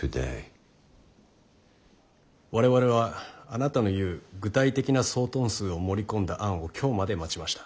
「我々はあなたの言う具体的な総トン数を盛り込んだ案を今日まで待ちました。